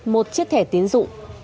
một chiếc thẻ tín dụng